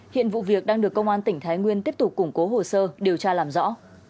hiện vụ việc đang được công an tỉnh thái nguyên tiếp tục củng cố hồ sơ điều tra làm rõ